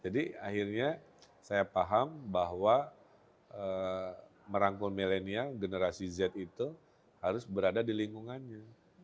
jadi akhirnya saya paham bahwa merangkul milenial generasi z itu harus berada di lingkungannya